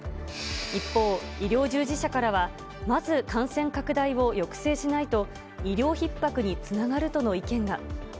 一方、医療従事者からは、まず感染拡大を抑制しないと、医療ひっ迫につながるとの意見が。